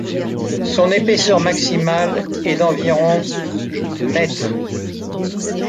Son épaisseur maximale est d'environ mètres.